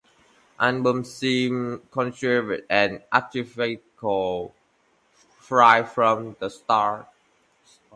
Album seems contrived and artificial right from the start.